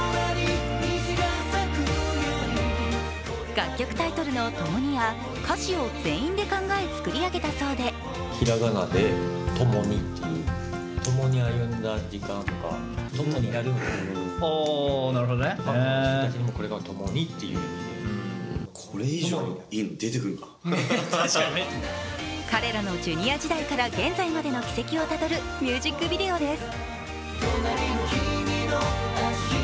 楽曲タイトルの「ともに」や歌詞を全員で考え作り上げたそうで彼らのＪｒ．時代から現在までの軌跡をたどるミュージックビデオです。